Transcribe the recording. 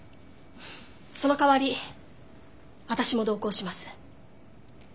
そのかわり私も同行します。